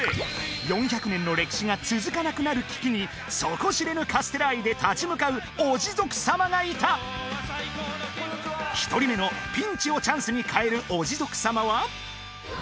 ４００年の歴史が続かなくなる危機に底知れぬカステラ愛で立ち向かうおジゾク様がいた１人目のピンチをチャンスに変えるおジゾク様は？